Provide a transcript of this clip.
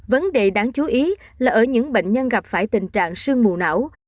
vấn đề đáng chú ý là ở những bệnh nhân gặp phải tình trạng sương mù não